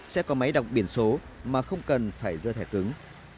sẽ có máy đọc biển số mà không cần phải dơ thẻ cứng